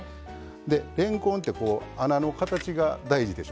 れんこんってこう穴の形が大事でしょ。